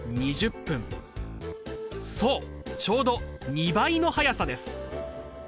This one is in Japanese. そうちょうど２倍の速さです。